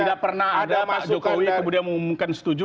tidak pernah ada pak jokowi kemudian mengumumkan setuju